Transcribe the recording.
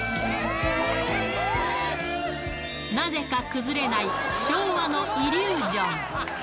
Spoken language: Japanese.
なぜか崩れない、昭和のイリュージョン。